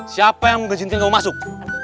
siapa yang mau kejinting kamu masuk